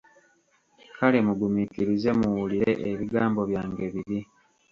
Kale mugumiikirize muwulire ebigambo byange biri.